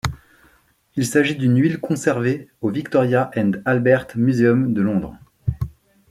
Il s'agit d'une huile conservée au Victoria and Albert Museum de Londres.